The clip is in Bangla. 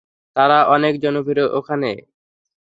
তারা অনেক জনপ্রিয় ওখানে।